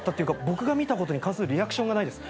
僕が見たことに関するリアクションがないです。